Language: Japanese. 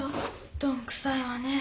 どんくさいわね。